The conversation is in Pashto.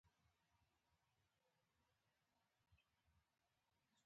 د نفتو، ګازو او اوبو وړلو لپاره کارول کیږي.